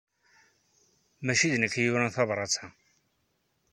Maci d nekk ay yuran tabṛat-a.